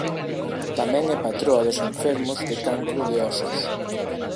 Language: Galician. Tamén é patroa dos enfermos de cancro de ósos.